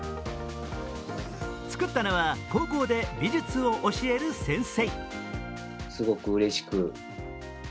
作ったのは高校で美術を教える先生。